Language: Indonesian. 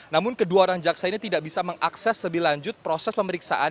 namun kedua orang jaksa ini tidak bisa mengakses lebih lanjut proses pemeriksaan